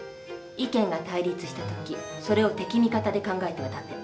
意見が対立した時それを敵味方で考えては駄目。